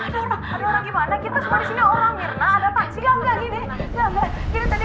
ada orang ada orang gimana kita semua di sini orang mirna ada pasti enggak gini enggak jadi tadi